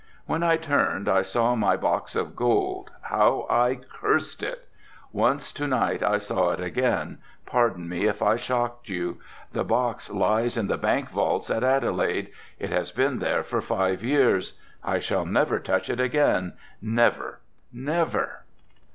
When I turned and saw my box of gold how I cursed it. Once to night I saw it again, pardon me if I shocked you. The box lies in the bank vaults at Adelaide, it has been there for five years, I shall never touch it again, never, never."